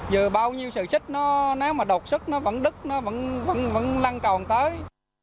giờ bao nhiêu sợi xích nó nếu mà độc sức nó vẫn đứt nó vẫn lăn tròn tới